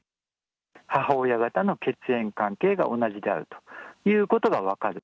母親方の血縁関係が同じであるということが分かる。